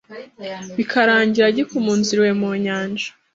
bikarangira gikumunzuriwe mu nyanja